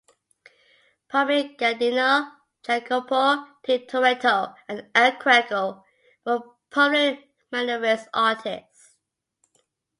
Parmigianino, Jacopo Tintoretto, and El Greco were prominent Mannerist artists.